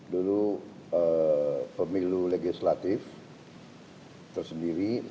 dulu pemilu legislatif tersendiri